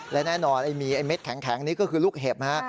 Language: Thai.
และแน่นอนมีไอ้เม็ดแข็งนี่ก็คือลูกเห็บฮะ